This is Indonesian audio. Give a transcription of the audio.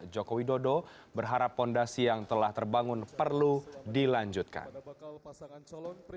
joko widodo berharap fondasi yang telah terbangun perlu dilanjutkan